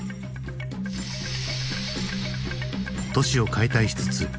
都市を解体しつつ戯れる。